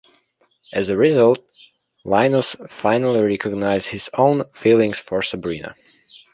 As a result, Linus finally recognizes his own feelings for Sabrina.